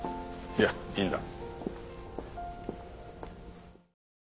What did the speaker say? いやいいんだ。